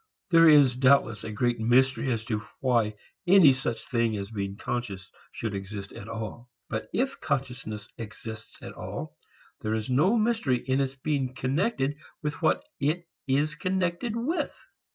There is doubtless a great mystery as to why any such thing as being conscious should exist at all. But if consciousness exists at all, there is no mystery in its being connected with what it is connected with.